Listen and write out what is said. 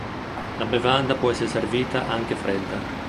La bevanda può essere servita anche fredda.